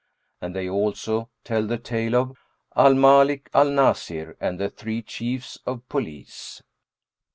[FN#398] And they also tell the tale of AL MALIK AL NASIR AND THE THREE CHIEFS OF POLICE.